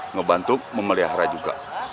ngebantu memelihara juga